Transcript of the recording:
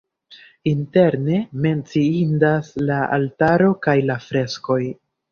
Interne menciindas la altaro kaj la freskoj.